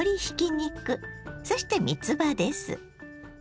そしてみつばです。